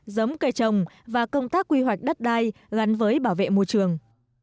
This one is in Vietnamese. giống cây trồng và công tác quy hoạch đất đai gắn với bảo vệ môi trường